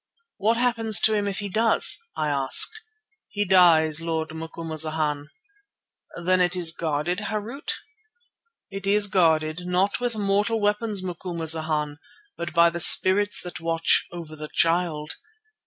"What happens to him if he does?" I asked. "He dies, my Lord Macumazana." "Then it is guarded, Harût?" "It is guarded, not with mortal weapons, Macumazana, but by the spirits that watch over the Child."